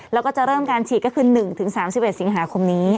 แล้วก็จะเริ่มการฉีดก็คือ๑๓๑สิงหาคมนี้